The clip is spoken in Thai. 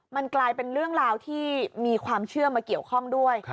มันกลายเป็นเรื่องราวที่มีความเชื่อมาเกี่ยวข้องด้วย